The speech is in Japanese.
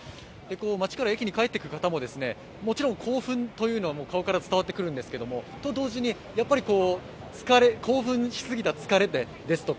街から駅に帰っていく方も、もちろん興奮というのは顔から伝わってくるんですけれども、と同時に、やっぱり興奮しすぎた疲れですとか